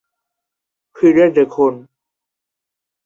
ফিরে দেখুন।